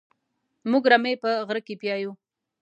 موږ رمې په غره کې پيايو.